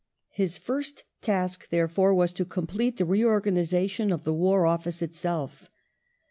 His first task, ^^^^ therefore, was to complete the reorganization of the War Office itself.